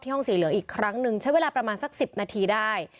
ห้องสีเหลืองอีกครั้งหนึ่งใช้เวลาประมาณสัก๑๐นาทีได้